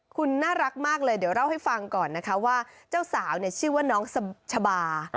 คุณน่ารักมากเลยเดี๋ยวเล่าให้ฟังก่อนนะคะว่าเจ้าสาวชื่อว่าน้องชะบา